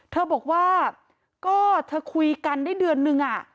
เธอบอกว่าก็เธอคุยกันได้เดือนนึง